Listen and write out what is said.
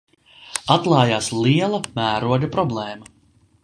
Atklājās liela mēroga problēma